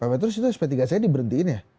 pak petrus itu sp tiga nya diberhentiin ya